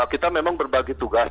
kita memang berbagi tugas